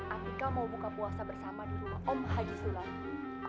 amika mau buka puasa bersama di rumah om haji sulami